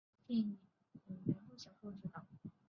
电影由原着小说作者执导。